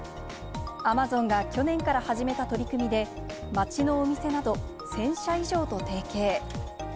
アマゾンが去年から始めた取り組みで、街のお店など１０００社以上と提携。